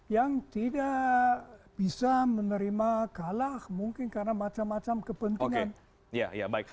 yang tidak bisa menerima kalah mungkin karena macam macam kepentingan